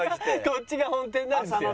こっちが本店なんですよ。